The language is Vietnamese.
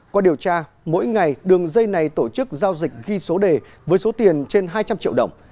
qua điều tra mỗi ngày đường dây này tổ chức giao dịch ghi số đề với số tiền trên hai trăm linh triệu đồng